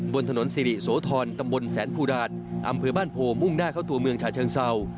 บนถนนสิริโสธรตำบลแสนภูดาตอำเภอบ้านโพมุ่งหน้าเข้าตัวเมืองชาเชิงเศร้า